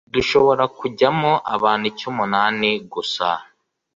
dushobora kujyamo abantu icyumunani gusa